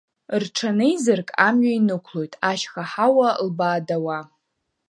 Рҽанеизырк амҩа инықәлоит, ашьха ҳауа лбаадауа.